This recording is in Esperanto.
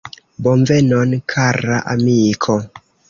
Bonvenon, kara amiko!